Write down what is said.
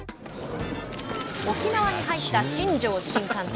沖縄に入った新庄新監督。